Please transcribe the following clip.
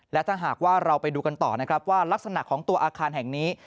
และถ้าหากว่าเราไปดูกันต่อนะครับว่ารักษณะของตัวอาคารแห่งนี้